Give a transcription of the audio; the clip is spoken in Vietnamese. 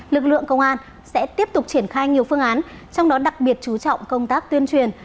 lực lượng công an sẽ tiếp tục triển khai nhiều phương án trong đó đặc biệt chú trọng công tác tuyên truyền